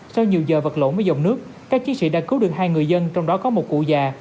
sau nhiều giờ vật lộn với dòng nước các chiến sĩ đã cứu được hai người dân trong đó có một cụ già